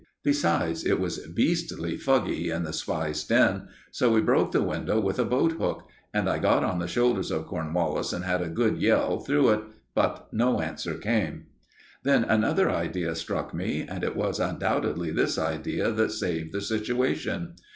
Besides, it was beastly fuggy in the spy's den; so we broke the window with a boat hook, and I got on the shoulders of Cornwallis and had a good yell through it; but no answer came. Then another idea struck me, and it was undoubtedly this idea that saved the situation.